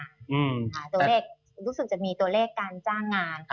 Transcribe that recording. ตัวเลขรู้สึกจะมีตัวเลขการจ้างงาน